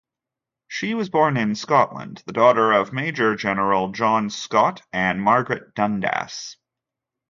She was born in Scotland, the daughter of Major-General John Scott and Margaret Dundas.